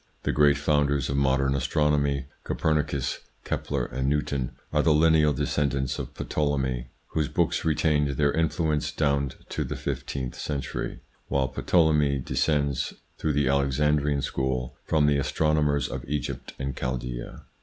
The great founders of modern astronomy, Copernicus, Kepler, and Newton, are the lineal descendants of Ptolemy, whose books retained their influence down to the fifteenth century, while Ptolemy descends, through the Alexandrian school, from the astronomers of Egypt and Chaldsea.